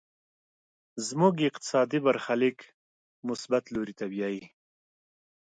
زموږ اقتصادي برخليک مثبت لوري ته بيايي.